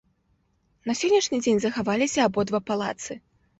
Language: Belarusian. На сённяшні дзень захаваліся абодва палацы.